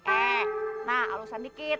eh nah alusan dikit